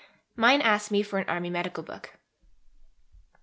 Mine asks me for an Army Medical Book.